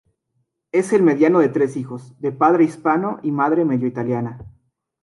Es el mediano de tres hijos, de padre hispano y madre medio italiana.